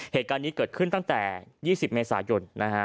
เหตุการณ์นี้เกิดขึ้นตั้งแต่๒๐เมษายนนะฮะ